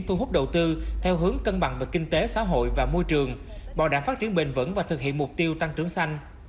thu hút đầu tư theo hướng cân bằng về kinh tế xã hội và môi trường bảo đảm phát triển bền vững và thực hiện mục tiêu tăng trưởng xanh